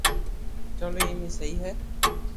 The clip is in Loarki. چلو ايم اي سھي ھي